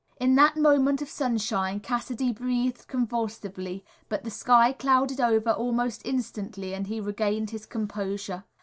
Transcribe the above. In that moment of sunshine Cassidy breathed convulsively, but the sky clouded over almost instantly and he regained his composure.